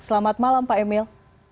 selamat malam pak emil